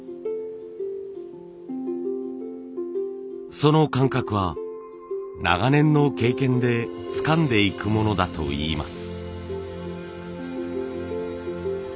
その感覚は長年の経験でつかんでいくものだといいます。